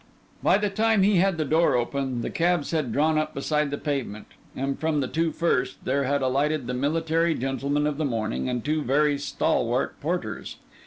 By the time he had the door open, the cabs had drawn up beside the pavement; and from the two first, there had alighted the military gentleman of the morning and two very stalwart porters.